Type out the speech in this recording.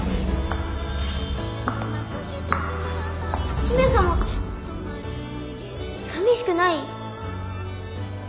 姫様さみしくない？